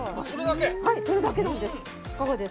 それだけなんです。